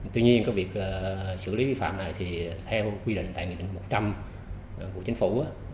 tuy nhiên cái việc xử lý vi phạm này thì theo quy định tại nghị định một trăm linh của chính phủ